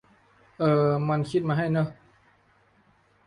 เออ มันคิดมาให้เนอะ